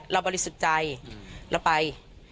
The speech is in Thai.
เราบริสุจัยเราไป